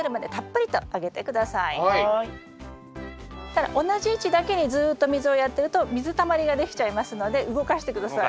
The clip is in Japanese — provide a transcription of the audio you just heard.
ただ同じ位置だけにずっと水をやってると水たまりができちゃいますので動かして下さい。